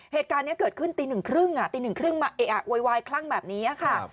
เหตุการณ์นี้เกิดขึ้นตีหนึ่งครึ่งตีหนึ่งครึ่งมาเอะอะโวยวายคลั่งแบบนี้ค่ะ